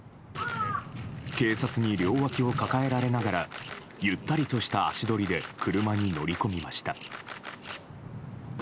警察に両わきを抱えられながらゆったりとした足取りで車に乗り込みました。